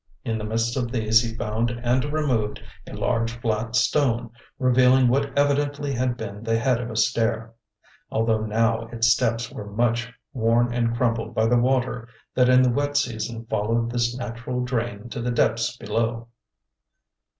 In the midst of these he found and removed a large flat stone, revealing what evidently had been the head of a stair, although now its steps were much worn and crumbled by the water that in the wet season followed this natural drain to the depths below.